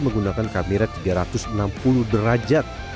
menggunakan kamera tiga ratus enam puluh derajat